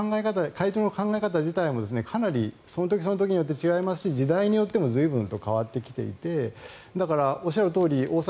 会場の考え方がかなりその時その時によって違いますし時代によっても随分と変わってきていてだからおっしゃるとおり